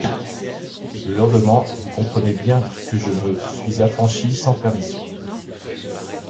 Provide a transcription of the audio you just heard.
Le lendemain, vous comprenez bien que je me suis affranchie sans permission.